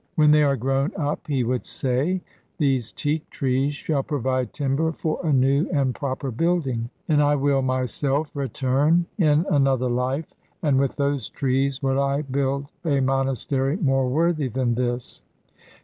'When they are grown up,' he would say, 'these teak trees shall provide timber for a new and proper building; and I will myself return in another life, and with those trees will I build a monastery more worthy than this.'